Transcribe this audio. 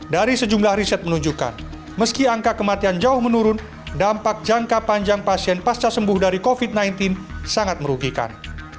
dari sejumlah riset menunjukkan meski angka kematian jauh menurun dampak jangka panjang pasien pasca sembuh dari covid sembilan belas sangat merugikan